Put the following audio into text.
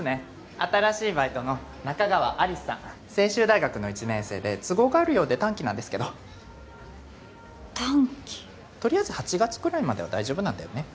新しいバイトの仲川有栖さん成修大学の１年生で都合があるようで短期なんですけど短期とりあえず８月くらいまでは大丈夫なんだよね